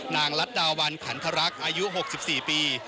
นางรัสดาวัณฑ์ขันทรักษ์อายุ๖๔ปี